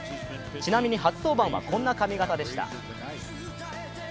ちなみに初登板は、こんな髪形でした。